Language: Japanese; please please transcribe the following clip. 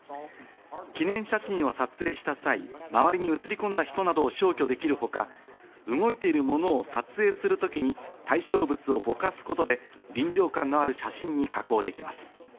記念写真を撮影した際、周りに写り込んだ人などを消去できるほか、動いているものを撮影するときに対象物をぼかすことで臨場感のある写真に加工できます。